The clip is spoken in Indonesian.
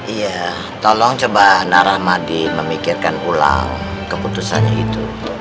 iya tolong coba naramadi memikirkan ulang keputusannya itu